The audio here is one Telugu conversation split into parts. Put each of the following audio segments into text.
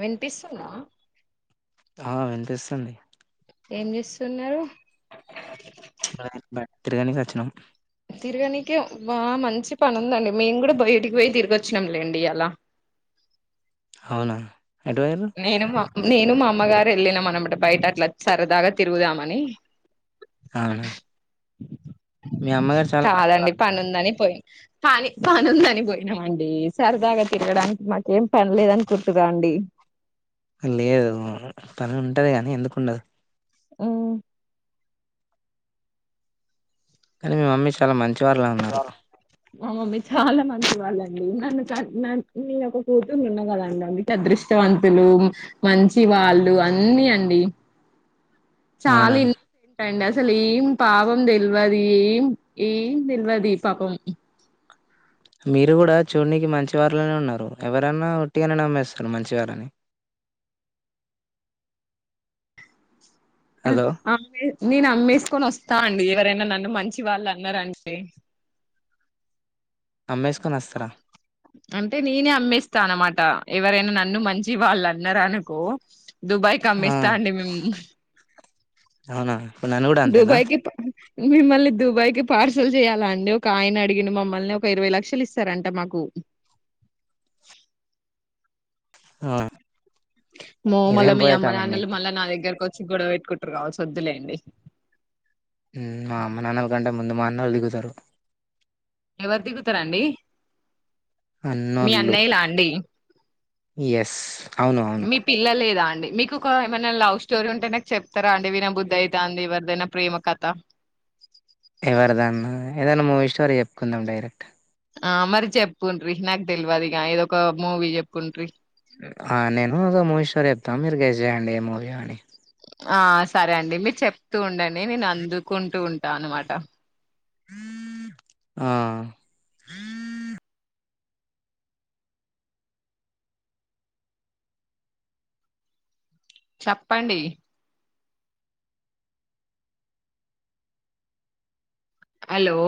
వినిపిస్తుందా ఆ వినిపిస్తుంది ఏం చేస్తున్నారు బాయ్ బాయ్ తీర్గానికి వచ్చినం తిరగనినికి బా మంచి పనిందండి మేము కూడా బయటికి పోయి తిరిగి వచ్చినంలేండి ఇయల అవునా ఎటు పోయిర్రు నేను మా నేను మా అమ్మగారు ఎల్లినం అన్నమాట బయట అట్లా సరదాగా తిరుగుదామని అవునా మీ ఉ అమ్మగారు చాలా కాదండి మంచివారు పని ఉందని పోయి పని పని ఉందని పోయినామండి సరదాగా తిరగడానికి మాక ఏం పనిలేద అనుకుంటుందా అండి లేదు తను ఉంటది కాని ఎందుకుండదు ఆ కానీ మీ మమ్మీ చాలా మంచి చిర్లో ఉన్నారు మా మమ్మీ చాలా మంచి వాళ్ళండి నన్ను చ నీ యొక్క కూతుర్ని ఉన్న కదండి అందుకే అదృష్టవంతులు మంచి వాళ్ళు అన్నిీ అండి చాలా అవునా ఇన్న ఏంటాండి అ సలు ఏం పాపం తెల్వది ఏం ఏం తెల్వది పాపం మీరు కూడా చూడనికి మంచి వారులోనే ఉన్నారు ఎవరనా ఒట్టిగానే నమ్మేస్తారు మంచివారని హలో అమ్ే నేను అమ్మేసుకొని వస్తాను అండి ఎవ ఎవరైనా నన్ను మంచి వాళ్ళు అన్నారంటే నమ్మేసుకొని వస్తారా అంటే నేనే అమ్మేస్తా అన్నమాట ఎవరైనా నన్ను మంచి వాళ్ళని అన్నారనుకో దుబాయ్కి ఆ అమ్మిస్తా అండి మేము అవునా ఇప్పుడు నన్ను కూడా అంతేనా దుబాయ్కి మిమ్మల్ని దుబాయ్కి పార్సల్ చేయాలా అండి ఒక ఆయన అడిగిన మమ్మల్ని ఒక ఇరవై లక్షలు ఇస్తారంట మాకు ఆ మ్మో ఇదేం మళ్ళా మీ పోయే అమ్మ కాలం నాన్నలు మీకు మళ్ళా నా దగ్గరకు వస్త వచ్చి గొడవ పెట్టుకుంటారు కావాచ్చు వద్దులెండి ఉ మా అమ్మని అనకు అండి ముందు మా అన్నాల్లు దిగుతారు ఎవరు దిగుతారండి మీ అన్నోళ్లు అన్నయ్యలా అండి ఎస్ అవును అవును మీ పిల్ల లేదా మీకు ఒక ఏమైనా లవ్ స్టోరీ ఉంటే నాకు చెప్తారా అండి వినబుద్ధ అయితాంది ఎవరిదైనా ప్రేమ కథ ఎవరి దన్న ఏదైనా మూవీ స్టోరీ చెప్పుకుందాం డైరెక్ట్ ఆ మరి చెప్పిండ్రు నాకు తెలియదిగా ఏదో ఒక మూవీ చెప్పుండ్రి ఆ నేను ఒక మూవీ స్టోర్ చెప్తాం మీరు గేస్ చేయండి ఏ మూవీ యో అని ఆ సరే అండి మీరు చెప్తూ ఉండండి నేను అందుకుంటూ ఉంటా త అనమాట ఆ చెప్పండి హలో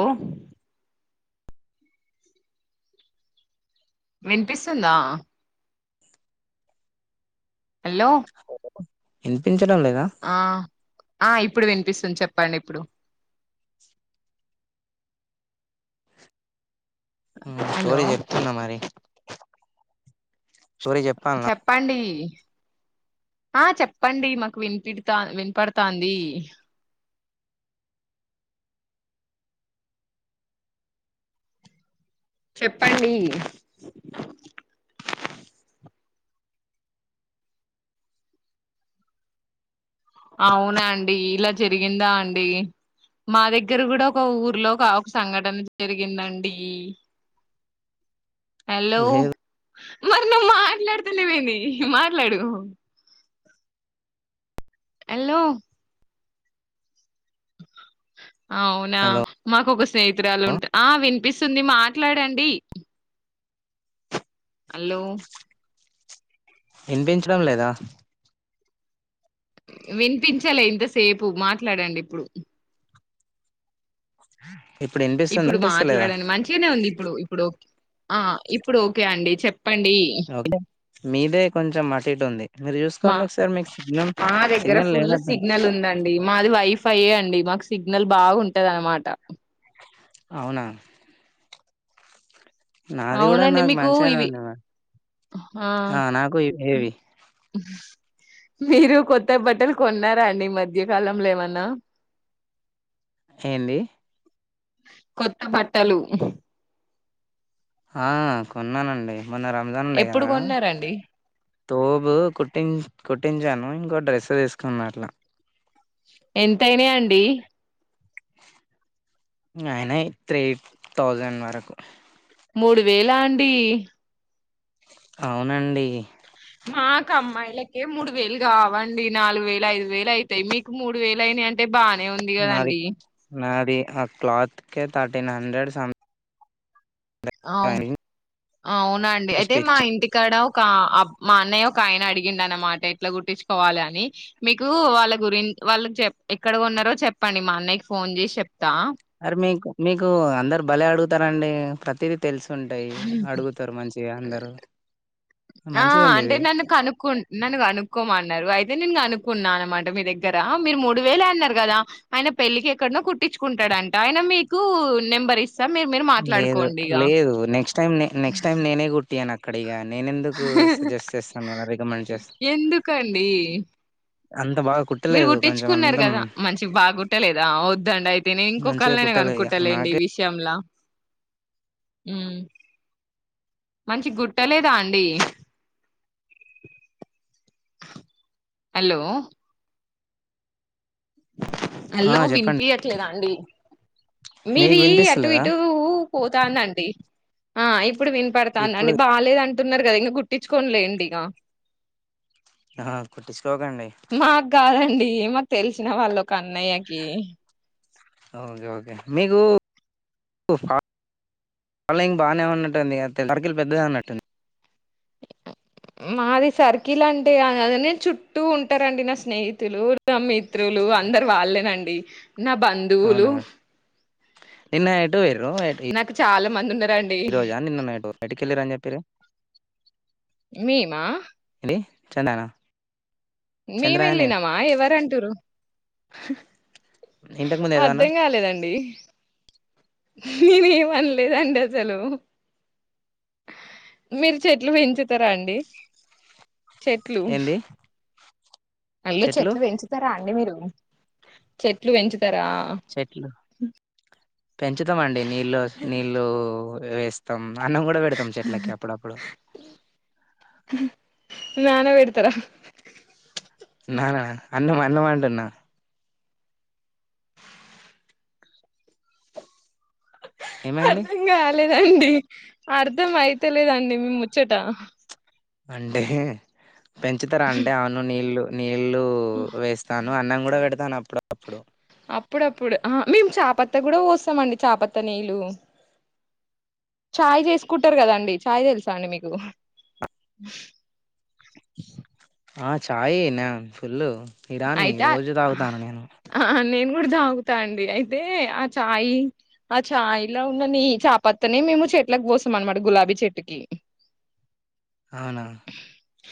వినిపిస్తుందా హలో వినిపించడం లేదా ఆ ఆ ఇప్పుడు వినిపిస్తుంది చెప్పండి ఇప్పుడు ఉ హలో స్టోరీ చెప్తున్నా మరి స్టోరీ చెప్పాలనా చెప్పండి ఆ చెప్పండి మాకు వినిపిడతా వినిపడతాంది చెప్పండి అవునా అండి ఇలా జరిగిందా అండి మా దగ్గర కూడా ఒక ఊర్లో ఒక సంఘటన జరిగిందండి హలో లేదు మరి నువ్వు మాట్లాడుతున్నావ్ ఏంది మాట్లాడు హలో అవునా హలో మాకు ఒక స్నేహితురాలు ఉంటా ఆ వినిపిస్ తుంది మాట్లాడండి హలో వినిపించడం లేదా వినిపించలే ఇంతసేపు మాట్లాడండి ఇప్పుడు ఇప్పుడు వినిపిస్తుంది ఇప్పుడు వినిపిస్తలేదా మాట్లాడండి మంచిగానే ఉంది ఇప్పుడు ఇప్పుడు ఆ ఇప్పుడు ఓకే అండి చెప్ ఓకే మీదే కొంచెం అటు ఉంది మీరు మా చూసుకోండి ఒకసారి మీకు సిగ్నల్ మా దగ్గర సిగ్నల్ ఫుల్ లేనట్టు సిగ్నల్ ఉందండి మాది వైఫై అండి మా సిగ్నల్ బాగుంటది అనమాట అవునా నాది కూడా అవునండి నాకు మీకు మంచిగానే ఇవి ఉంది మరి ఆ నాకు ఇ- ఏవి మీరు కొత్త బట్టలు కొన్నారా అండి ఈ మధ్యకాలంలో ఏమన్నా ఏంది కొత్త బట్టలు ఆ కొన్నానండి మొన్న రంజాన్ ఉండే ఎప్పుడు కదా కొన్నారండి తోబు కుట్టి కుట్టించాను ఇంకో డ్రెస్ తీస్ కన్నాడలా ఎంతయినాయి అండి ఆయనాయి త్రీ థౌజండ్ వరకు మూడు వేలా అండి అవునండి మాకు అమ్మాయిలకే మూడు వేలు కావండి నాలుగు వేలు ఐదు వేలు అయితాయి మీకు మూడు వేలు అయినాయి అంటే బానే ఉంది కదండి అది క్లత్ కే థర్టీన్ హండ్రెడ్ సం అవు అవునండి అయితే మా స్టిచ్ ఇంటికాడ ఒక ఆ మా అన్నయ్య ఒక ఆయన అడిగిండ అన్నమాట ఎట్లా గుర్ట్ంచుకోవాలి అని మీకు వాళ్ళ గురించి వాళ్ళ చె ఎక్కడ ఉన్నారో చెప్పండి మా అన్నయ్యకి ఫోన్ చేసి చెప్ప అర్ మీకు మీకు అందరు భలే అడుగుతారంండి ప్రతి అందరు ఆ మంచిగా ఉంది అంటే ఇది నన్ను కనుకు నన్ను కనుకోమంట అయితే నేను అనుకున్నా అనమాట మీ దగ్గర మీరు మూడు వేలే అన్నారు కదా ఆయన పెళ్ళకి ఎక్కడనో కుట్టించుకుంటాడంట ఆయన మీకు నెంబర్ ఇస్త లేదు లేదు నెక్స్ట్ ట నక్స్ట్ టైమ్ నేనే ను అక్కడి గానీ రికమెండ్ చేస్తాను ఎందుకండి అంత బాగా మీరు కుట్టలేదు కొంచెం గుట్టించుకున్నారు అంత కదా మంచి బాగుట్టలేదా వద్దండి అయితేనే ఇంకొకళ్ళ మంచిగా నైనా కుట్టలేదు ఇగ కనుక్కుంటలేండి ఈ నాకే విషయలా మంచి గుట్టలేదా అండి హలో ఆ మల్ల చెప్పండి వినిపియట్లేదా అండి మీకు మీది అటు వినిపిస్తలేదా ఇటు పోతాందండి ఆ ఇప్పుడు ఇప్పుడు వినిపడతానుండి బాగాలేదండి గుర్న్నారు కదా ఇంకా గుట్టించుకోనిలేండి ఇక ఆ కుట్టించుకోకండి ఏమో తెలిసిన వాళ్ళు ఒక అన్నయ్యకి ఓకే ఓకే మీకు ఫాలోయింగ్ బానే ఉన్నట్టుంది గా సర్కిల్ పెద్దదే ఉన్నట్టుంది మాది సర్కిల్ అంటే అ నేను చుట్టూ ఉంటారండి నా స్నేహితులు నా మిత్రులు అందరు వాళ్ళేనండి నా బంధువులు అవునా నిన్న ఎటు పోయిరు నాకు చాలా మంది ఉనర్ ఈ రోజా నిన్న నైటో బయటికెళ్ళిరు అని చెప్పిరు మేమా అండి చెన్ననా మేము వెళ్ళినమా ఎవరంటరు ఇంతకు ముందు ఏదో అర్ధం అన్నారు కాలేదండి నేనేమన్లేదండి అసలు మీరు చెట్లు పెంచుతారా అండి చెట్లు ఏంది మలి చెట్లు పెంచుతారా అండి మీరు చెట్లు పెంచు తరా చెట్లు పెంచుతామండి నీళ్ళు నీళ్లు వేస్తాం అన్నం కూడా పెడతాం చెట్లకి అప్పుడప్పుడు ననబెడ్తారా నానా అన్నం అన్నంమంటున్నా ఏమైంది అర్థంగాలే అండి అర్ధం మైతలేదండి ముచ్చటా అంటేహ పెంచుతారా అంటే అవును నీళ్లు ఇళ్లు వేస్తాను న అన్నం కూడా పెడతాను అప్పుడు అప్పుడు అప్పుడప్పుడు ఆ మేము చాపత్త కూడా పోస్తామండి చాపత్తా నీళ్లు చాయ్ చేసుకుంటారు కదండి చాయ్ తెలుసా అండి మీకు ఆ చాయ్ న ఫుల్ ఆయతా ఆ నేను ఇప్పుడు తాగుతా అండి అయితే ఆ చాయ్ ఆ చాయ్లా ఉన్న నీ చాపత్తనే మేము చెట్లకు పోసాం అనమాట గులాబీ చెట్టుకి అవునా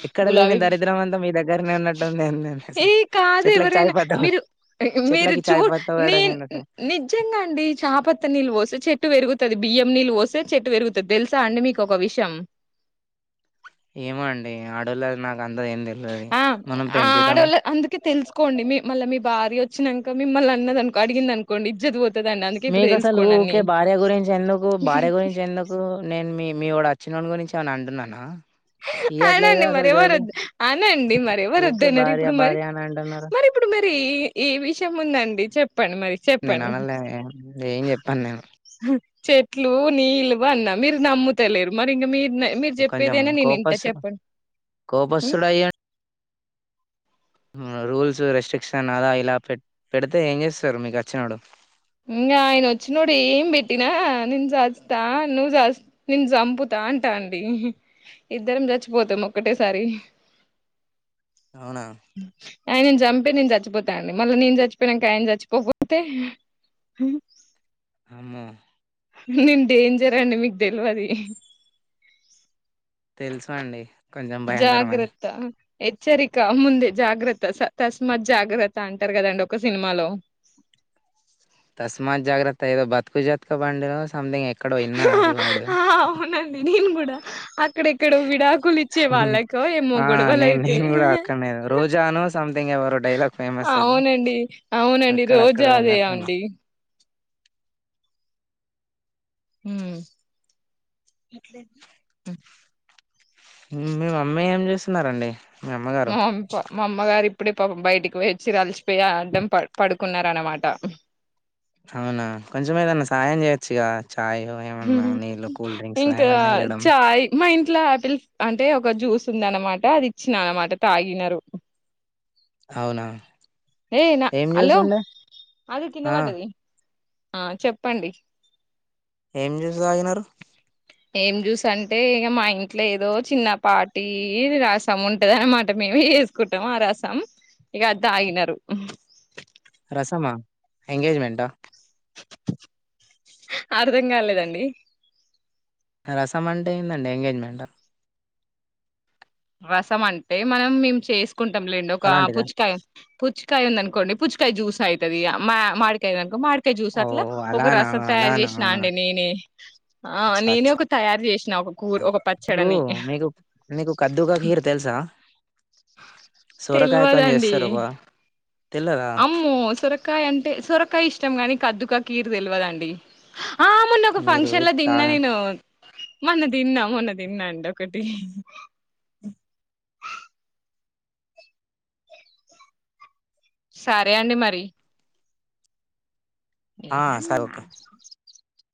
ఎక్కడ లేని గులాబీ దరిద్రం అంతా మీ దగ్గరనే ఉన్నట్టుంది ఏందిది ఏ కాదు ఎవరైనా మీరు మీరు చెట్లకి చూ చాయ్ పత్తా నే పోయడం ఏంటో నిజంగా అండి చాపత్త నీళ్ళు పోసి చెట్టు పెరుగు తది బియ్యం నీళ్ళు పోస్తే చెట్టు పెరుగుతది తెల్సా అండి మీకు ఒక విషయం ఏమో అండి ఆడోల్లవి నాక్ ఆ ఆ ఆడోల్ల అందుకే తెలుసుకోండి మీ మళ్ళా మీ భార్య వచ్చినంక మిమ్మల్ని అన్నది అనుకో అడిగింది అనుకోండి ఇజ్జత్ పోత్ మీకు అసలు ఊకే భార్య గురించి ఎందుకు భార్య గురించి ఎందుకు నేను మీ మీ ఒడ చిన్నోని గురించి ఏమన్న అంటున్నానా అనండి తీయట్లేదుగా మరి అసలు ఎవరు జోలి వ అనండి మరి ఎవరు ఊకే వద్దన్నారు భార్య ఇప్పుడు మరి భార్య అని అంటున్నారు. మరి ఇప్పుడు మరి ఈ ఈ విషయం ఉందండి చెప్ నేను అనలేనే ఏం చెప్పను నేను చెట్లు నీళ్ళివు అన్న మీరు నమ్ముతలేరు మరి ఇంగ మీరు మీరు కొంచం చెప్పేదైనా నేను ఇంట కోపసు చెప్పండి కోపస్తుడయ్య రూల్స్ రెస్ట్రిక్షన్ అలా ఇలా పె-పెడితే ఏం చేస్తరు మీకచ్చినోడు ఇంగా ఆయన వచ్చినోడు ఏం పెట్టినా నిన్ సస్తా నువ్ సస్ నిను సంపుతా అంటా అండి ఇద్దరం చచ్చిపోతాం ఒకక్కటేసారి అవునా ఆయనను చంపి నేను చచ్చిపోతా అండి మళ్లీ నేను చచ్చిపోయినాంక ఆయన చచ్చిపోకపోతే హూమ్ అమ్మో నేను డేంజర్ అండి మీకు తెలువది తెలుసు అండి కొంచెం భయంకరం అని జాగ్రత్త హెచ్చరిక ముందే జాగ్రత్త స-తస్మత్ జాగ్రత్త అంటారు కదండి ఒక సినిమాలో తస్మాత్ జాగ్రత్త ఏదో బతుకు జత్కా బండి లో అవునండి నేను కూడా అక్కడెక్కడో విడాకులు ఇచ్చే వాళ్ళకో ఏమో ఆ గొడవలు నేను అయితే నేను కూడా అక్కడనే రోజాను సంథింగ్ ఎవరో డైలాగ్ ఫేమస్ అది అవునండి అవునండి అక్కడ అక్కడ రోజా అదే విన్నట్టున్నా అండి మ్ మీ మమ్మీ ఏం చేస్ స్తున్నారండి మా మమ్ ప మా అమ్మ గారి ఇ ప్పుడే పాపం బయటికి పోయి వచ్చిరు అలిసిపోయి అడ్డం ప-పడుకున్నారు అన్నమాట అవునా కొంచం ఏదన్నా సాయం చేయొచ్చుగా చాయ్ ఏమన్నా నీళ్ళు కూల్ డ్రింక్స్ ఇంకా ఏమన్నా ఇయ్యడం చాయ్ మా ఇం ట్లా ఆపిల్ అంటే ఒక జ్యూస్ ఉంది అన్నమాట అది ఇచ్చిన అన్నమాట తాగినరు అవునా ఏ నా ఏం జ్యూస్ హలో ఉండే అది కింద ఆ పడ్డది అ చెప్పండి ఏం జ్యూస్ తాగినరు ఏం జ్యూసంటే ఇగ మా ఇంట్లో ఏదో చిన్నపాటి రసం ఉంటది అన్నమాట మేమే చేసుకుంటాం ఆ రసం ఇగ అది తాగినరు రసమా ఎంగేజ్మెంటా అర్థం కాలేదండి రసమంటే ఏందండి ఎంగేజ్మెంటా రసం అంటే మనం మేము చేస్ కుంటాం లేండి ఒక అలాంటిదా పుచ్చకాయ పుచ్చకాయ ఉందనుకోండి పుచ్చుకాయ జ్యూస్ అయితది మ మాడికాయ ఉందనుకో మాడి కాయ జ్యూస్ ఓ అట్లా ఒక అలానా రసం తయారు అలానా చేసినా అండి నేనే ఆ అచ్చా నేనే అచ్చా ఒక తయారు చేసినా ఒక కూ ఒక పచ్చడని ద్దుక కీర్ తెలుసా సోరకాయతోన్ తెల్వదండి చేస్తారు ఒక తెల్వదా సోరకాయ అంటే సోరకాయ ఇష్టం గాని కద్దుక కీర్ తెలువదండి ఆ మొన్న ఒక మీరు ఫంక్షన్ లో తిన్నా తాగ నేను మొన్న తిన్నా మొన్న తిన్నా అండి ఒకటి సరే అండి మరి ఆ ఏం సరే ఆ ఓకే